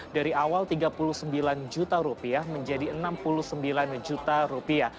dari awal rp tiga puluh sembilan juta menjadi rp enam puluh sembilan juta